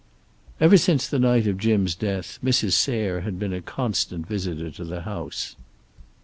Ever since the night of Jim's death Mrs. Sayre had been a constant visitor to the house.